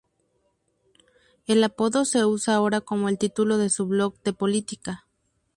El apodo se usa ahora como el título de su blog de política.